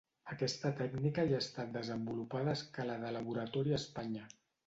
Aquesta tècnica ja ha estat desenvolupada a escala de laboratori a Espanya.